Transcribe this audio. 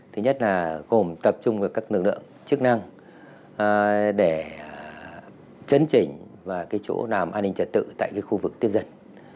thứ nhất là cùng tập trung với các nữ lượng chức năng để chấn chỉnh và cái chỗ làm an ninh trật tự tại cái khu vực tiếp dân